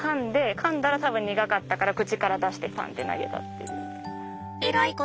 かんだら多分苦かったから口から出してパンッて投げたっていう。